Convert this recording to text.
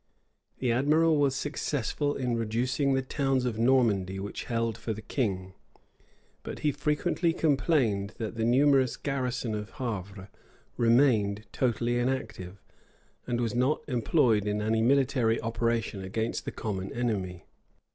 The admiral was successful in reducing the towns of Normandy which held for the king; but he frequently complained that the numerous garrison of Havre remained totally inactive, and was not employed in any military operation against the common enemy.